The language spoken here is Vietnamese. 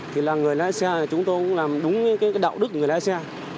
thì là người lái xe là chúng tôi cũng làm đúng cái đạo đức người lái xe